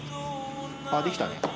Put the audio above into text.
あっできたね。